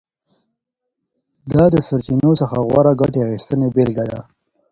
دا د سرچینو څخه د غوره ګټې اخیستنې بېلګه ده.